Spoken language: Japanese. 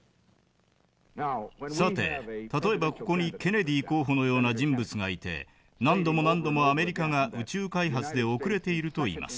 「さて例えばここにケネディ候補のような人物がいて何度も何度もアメリカが宇宙開発でおくれていると言います。